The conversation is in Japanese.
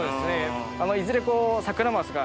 いずれ。